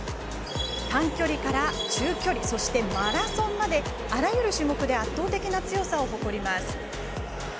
短距離から中距離そして、マラソンまであらゆる種目で圧倒的な強さを誇ります。